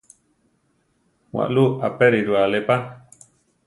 Waʼlú apériru alé pa.